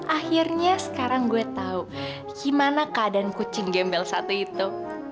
akhirnya sekarang saya tahu bagaimana keadaan kucing gembel satu itu